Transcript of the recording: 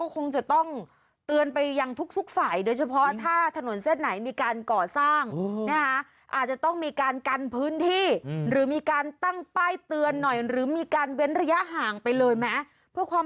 เพื่อความปลอดภัยมันต้องเสี่ยงจริงแล้วครับ